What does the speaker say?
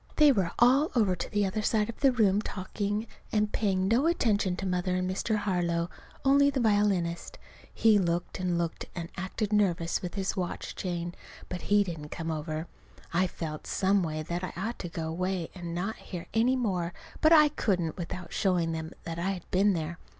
They were all over to the other side of the room talking, and paying no attention to Mother and Mr. Harlow, only the violinist. He looked and looked, and acted nervous with his watch chain. But he didn't come over. I felt, some way, that I ought to go away and not hear any more; but I couldn't without showing them that I had been there.